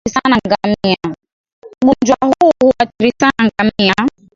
Ugonjwa huu huathiri sana ngamia